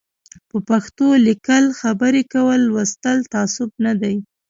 په پښتو لیکل خبري کول لوستل تعصب نه دی